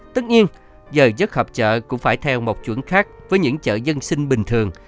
tất nhiên giờ dứt hợp chợ cũng phải theo một chuẩn khác với những chợ dân sinh bình thường